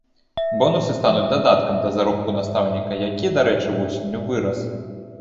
Бонусы стануць дадаткам да заробку настаўніка, які, дарэчы, восенню вырас.